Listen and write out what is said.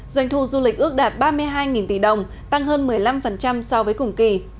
doanh thu du lịch ước đạt ba mươi hai tỷ đồng tăng hơn một mươi năm so với cùng kỳ